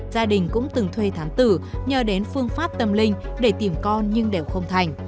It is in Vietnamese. gia đình cũng từng thuê thám tử nhờ đến phương pháp tâm linh để tìm con nhưng đều không thành